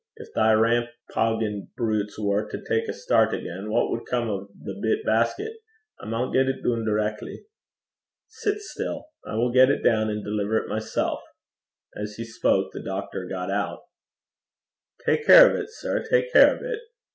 Gin thae rampaugin' brutes war to tak a start again, what wad come o' the bit basket? I maun get it doon direckly.' 'Sit still. I will get it down, and deliver it myself.' As he spoke the doctor got out. 'Tak care o' 't, sir; tak care o' 't.